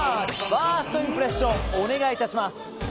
ファーストインプレッションお願い致します。